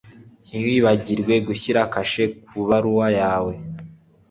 Ntiwibagirwe gushyira kashe ku ibaruwa yawe